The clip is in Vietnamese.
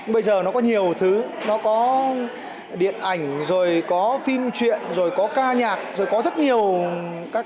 bây giờ nó có nhiều thứ nó có điện ảnh rồi có phim chuyện rồi có ca nhạc rồi có rất nhiều các loại hình sân khấu khác